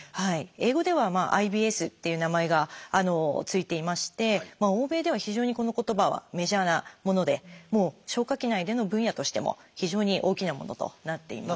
英語では「ＩＢＳ」っていう名前が付いていまして欧米では非常にこの言葉はメジャーなもので消化器内科での分野としても非常に大きなものとなっています。